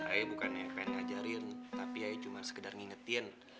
ayah bukan yang pengen ngajarin tapi ayah cuma sekedar ngingetin